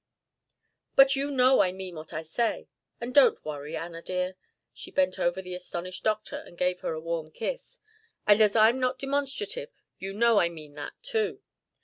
"But you know I mean what I say. And don't worry, Anna dear." She bent over the astonished doctor and gave her a warm kiss. "And as I'm not demonstrative, you know I mean that too.